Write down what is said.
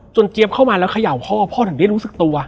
เจี๊ยบเข้ามาแล้วเขย่าพ่อพ่อถึงได้รู้สึกตัว